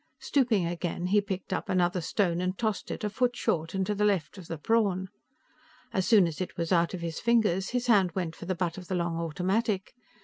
Stooping again, he picked up another stone and tossed it a foot short and to the left of the prawn. As soon as it was out of his fingers, his hand went for the butt of the long automatic.